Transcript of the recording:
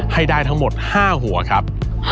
ให้ได้ทั้งหมด๕หัวครับ